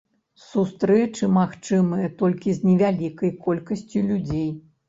Сустрэчы магчымыя толькі з невялікай колькасцю людзей.